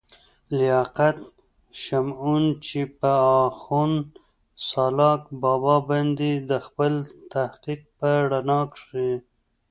لياقت شمعون، چې پۀ اخون سالاک بابا باندې دَخپل تحقيق پۀ رڼا کښې